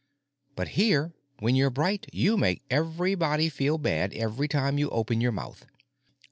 But here when you're bright you make everybody feel bad every time you open your mouth."